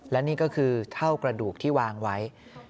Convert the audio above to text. และนี่ก็คือเท่ากระดูกที่วางไว้